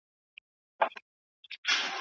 هغه یو ځانګړی اخلاقي مکتب وړاندې کړ.